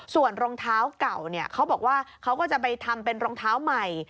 ส่วนรองเท้าเก่าเนี่ยเขาบอกว่าเขาก็จะไปทำเป็นรองเท้าใหม่